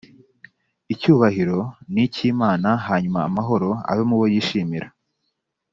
icyubahiro ni icy imana hanyuma amahoro abe mubo yishimira